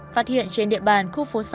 phát hiện trên địa bàn khu phố sáu